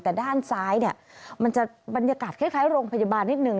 แต่ด้านซ้ายเนี่ยมันจะบรรยากาศคล้ายโรงพยาบาลนิดนึง